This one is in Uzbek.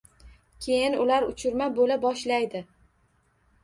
Keyin ular uchirma boʻla boshlaydi.